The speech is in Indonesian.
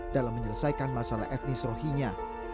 dalam menyelesaikan masalah etnis rohinya